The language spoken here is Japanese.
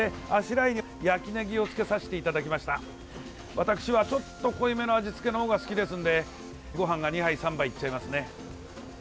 私は、ちょっと濃いめの味付けの方が好きですのでごはんが２杯、３杯いっちゃいますね。